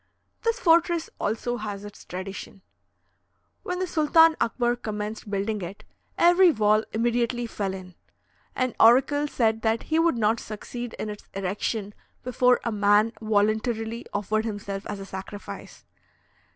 This fortress also has its tradition: "When the Sultan Akbar commenced building it, every wall immediately fell in. An oracle said that he would not succeed in its erection before a man voluntarily offered himself as a sacrifice.